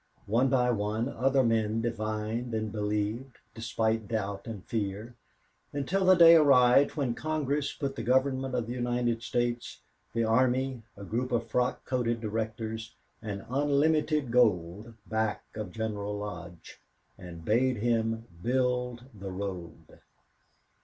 One by one other men divined and believed, despite doubt and fear, until the day arrived when Congress put the Government of the United States, the army, a group of frock coated directors, and unlimited gold back of General Lodge, and bade him build the road.